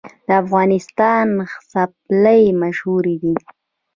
د افغانستان څپلۍ مشهورې دي